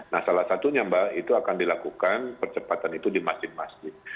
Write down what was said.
nah salah satunya mbak itu akan dilakukan percepatan itu di masjid masjid